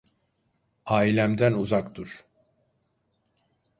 Ailemden uzak dur.